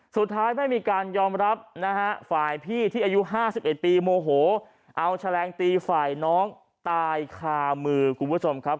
สุดท้ายไม่มีการยอมรับนะฮะฝ่ายพี่ที่อายุ๕๑ปีโมโหเอาแฉลงตีฝ่ายน้องตายคามือคุณผู้ชมครับ